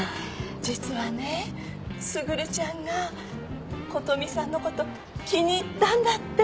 実はね卓ちゃんが琴美さんの事気に入ったんだって。